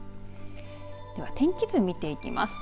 では、天気図見ていきます。